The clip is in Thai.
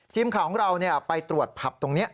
ทีมข่าวของเราไปตรวจผับตรงนี้